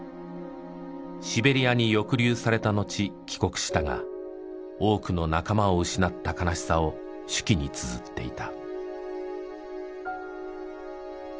シベリアに抑留されたのち帰国したが多くの仲間を失った悲しさを手記につづっていた。